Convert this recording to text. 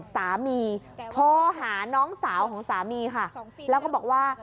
สามีโทรหาน้องสาวของสามีค่ะแล้วก็บอกว่า